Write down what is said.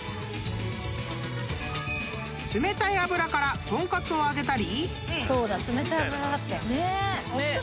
［冷たい油から豚カツを揚げたり］